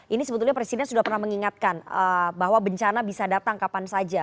ini sebetulnya presiden sudah pernah mengingatkan bahwa bencana bisa datang kapan saja